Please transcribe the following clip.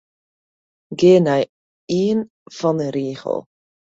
Gean nei de ein fan 'e rigel.